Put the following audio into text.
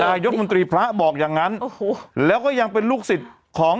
นายกมนตรีพระบอกอย่างงั้นโอ้โหแล้วก็ยังเป็นลูกศิษย์ของ